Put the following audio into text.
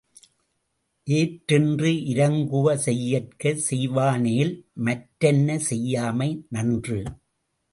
எற்றென்று இரங்குவ செய்யற்க செய்வானேல் மற்றன்ன செய்யாமை நன்று.